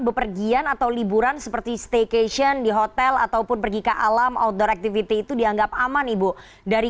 bepergian atau liburan seperti staycation di hotel ataupun pergi ke alam outdoor activity itu dianggap aman ibu dari